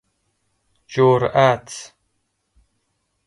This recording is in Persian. جرئت